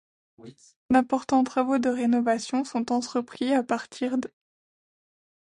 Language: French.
D'importants travaux de rénovation sont entrepris à partir d'.